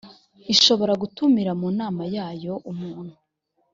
ishobora gutumira mu nama yayo umuntu.